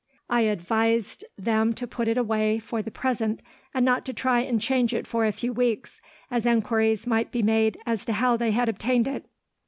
I advised them to put it away, for the present, and not to try and change it for a few weeks, as enquiries might be made as to how they had obtained it.